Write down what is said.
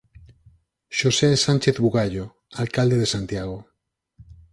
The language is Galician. Xosé Sánchez Bugallo, Alcalde de Santiago.